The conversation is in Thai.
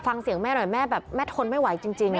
ฟังเสียงแม่หน่อยแม่แบบแม่ทนไม่ไหวจริง